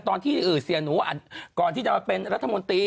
ตอนที่เสียหนูก่อนที่จะมาเป็นรัฐมนตรี